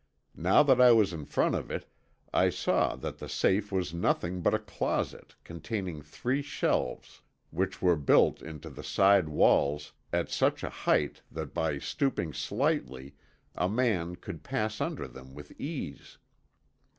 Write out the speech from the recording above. Now that I was in front of it I saw that the safe was nothing but a closet containing three shelves, which were built into the side walls at such a height that by stooping slightly a man could pass under them with ease.